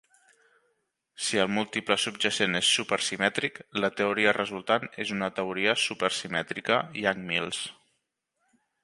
Sí el múltiple subjacent és super simètric, la teoria resultant és una teoria super simètrica Yang-Mills.